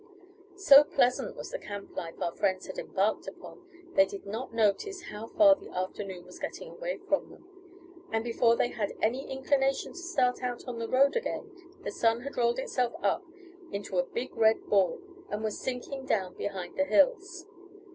So pleasant was the camp life our friends had embarked upon, they did not notice how far the afternoon was getting away from them, and before they had any inclination to start out on the road again, the sun had rolled itself up into a big red ball, and was sinking down behind the hills.